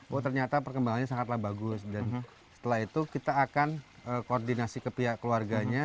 oh ternyata perkembangannya sangatlah bagus dan setelah itu kita akan koordinasi ke pihak keluarganya